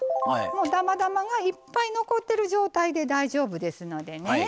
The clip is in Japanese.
だまだまが、いっぱい残ってる状態で大丈夫ですので。